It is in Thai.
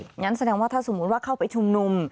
งั้นแสดงว่าถ้าสมมุติว่าเข้าไปชุมนุม